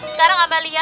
sekarang aba lia coba